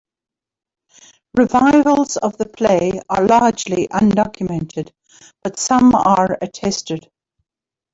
Revivals of the play are largely undocumented, but some are attested.